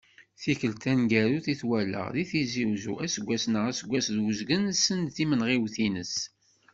Tikkelt taneggarut i t-walaɣ, deg Tizi Uzzu, aseggas neɣ aseggas d uzgen send timenɣiwt-ines.